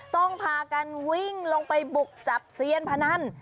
ต้องพากันวิ่งลงไปบุกจับเซียนพนัน